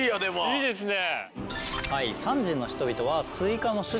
いいですね。